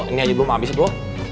ini aja belum habis itu